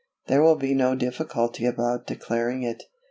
There will be no difficulty about declaring it.